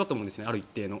ある一定の。